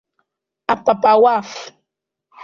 'Apapa Wharf'.